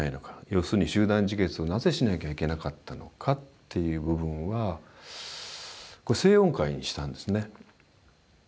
要するに集団自決をなぜしなきゃいけなかったのかっていう部分は西洋音階にしたんですね。